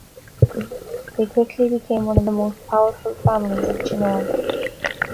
They quickly became one of the most powerful families of Genoa.